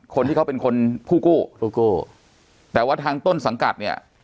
คนที่เขาเป็นคนผู้กู้ผู้กู้แต่ว่าทางต้นสังกัดเนี่ย